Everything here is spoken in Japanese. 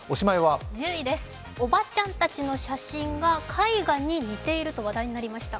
１０位です、おばちゃんたちの写真が絵画に似ていると話題になりました。